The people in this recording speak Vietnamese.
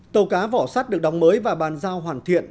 tàu cá vỏ sắt được đóng mới và bàn giao hoàn thiện